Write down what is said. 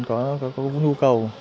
có nhu cầu